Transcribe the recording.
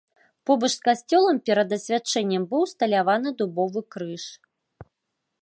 Побач з касцёлам перад асвячэннем быў усталяваны дубовы крыж.